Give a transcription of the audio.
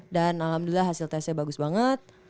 dan alhamdulillah hasil testnya bagus banget